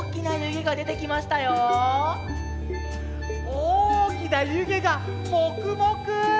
おおきなゆげがもくもく！